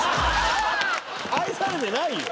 愛されてないよ。